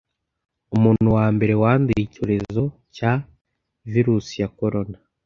Umuntu wambere wanduye icyorezo cya virus ya corona .